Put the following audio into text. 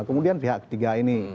kemudian pihak ketiga ini